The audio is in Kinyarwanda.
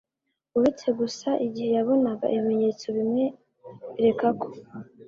uretse gusa igihe yabonaga ibimenyetso bimwereka ko